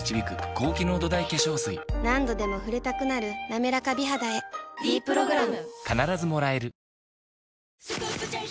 何度でも触れたくなる「なめらか美肌」へ「ｄプログラム」